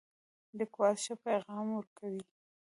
لیکوال ښه پیغام ورکړی.